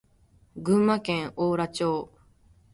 群馬県邑楽町